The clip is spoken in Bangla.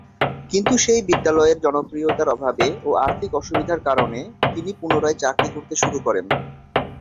কিন্তু সেই বিদ্যালয়ের জনপ্রিয়তার অভাবে ও আর্থিক অসুবিধার কারণে তিনি পুনরায় চাকরি করতে শুরু করেন।